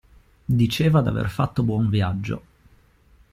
Diceva d'aver fatto buon viaggio.